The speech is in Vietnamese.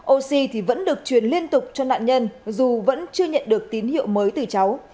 oxy thì vẫn được truyền liên tục cho nạn nhân dù vẫn chưa nhận được tín hiệu mới từ cháu